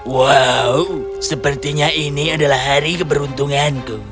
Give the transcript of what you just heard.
wow sepertinya ini adalah hari keberuntunganku